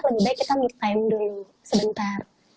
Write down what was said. lebih baik kita me time dulu sebentar